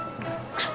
あっ。